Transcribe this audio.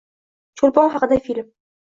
Cho‘lpon haqida film